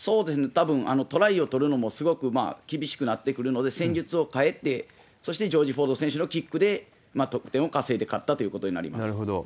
たぶんトライを取るのもすごく厳しくなってくるので、戦術を変えて、そしてジョージ・フォード選手のキックで得点を稼いで勝ったといなるほど。